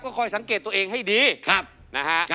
ก็คอยสังเกตตัวเองให้ดีนะครับนะฮะครับครับ